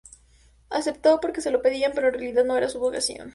Aceptó porque se lo pedían, pero en realidad no era su vocación.